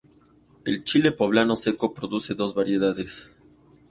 El chile poblano seco produce dos variedades.